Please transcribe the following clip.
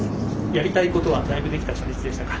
やりたいことはだいぶできた初日でしたか？